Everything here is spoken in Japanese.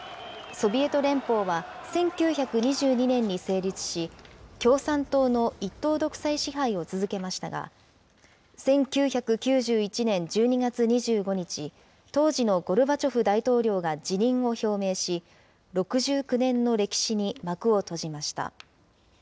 ソビエト連邦は、１９２２年に成立し、共産党の一党独裁支配を続けましたが、１９９１年１２月２５日、当時のゴルバチョフ大統領が辞任を表明し、６９年の歴史に幕を閉じました。